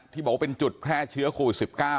ที่บอกว่าเป็นจุดแพร่เชื้อโควิด๑๙